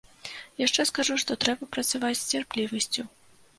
Яшчэ скажу, што трэба працаваць з цярплівасцю.